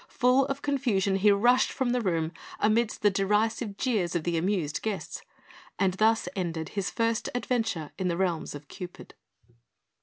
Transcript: Full of confusion, he rushed from the room, amidst the derisive jeers of the amused guests; and thus ended his first adventure in the realms of Cupid.